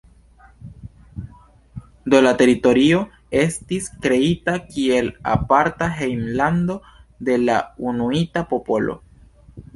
Do la teritorio estis kreita kiel aparta hejmlando de la inuita popolo.